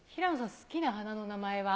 好きな花の名前？